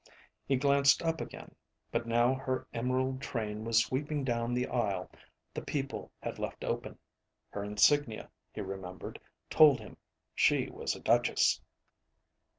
He glanced up again, but now her emerald train was sweeping down the aisle the people had left open. Her insignia, he remembered, told him she was a duchess.